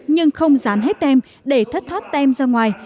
nhưng không rán hết tem để thất thoát tem ra ngoài